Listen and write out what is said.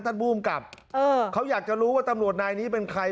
ท่านผู้บังกับเออเขาอยากจะรู้ว่าตำรวจนายนี้เป็นใคร